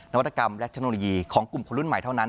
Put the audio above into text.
วัตกรรมและเทคโนโลยีของกลุ่มคนรุ่นใหม่เท่านั้น